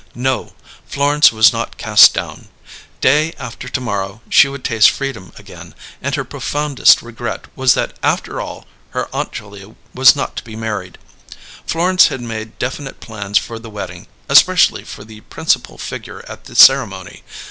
No; Florence was not cast down. Day after to morrow she would taste Freedom again, and her profoundest regret was that after all her Aunt Julia was not to be married. Florence had made definite plans for the wedding, especially for the principal figure at the ceremony.